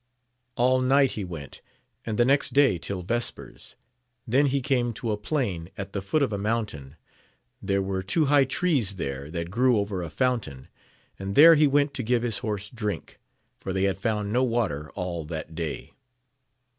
All night he went, and the next day till vespers, then he came to a plain at the foot of a mountain : there were two high trees there that grew over a fountain, and there he went to give his horse drink, for they had found no water all that day.